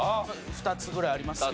２つぐらいありますけど。